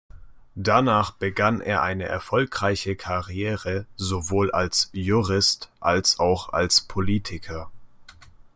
Danach begann er eine erfolgreiche Karriere, sowohl als Jurist, als auch als Politiker.